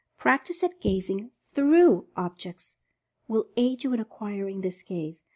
Practice at "gazing through" objects will aid you in acquiring this gaze.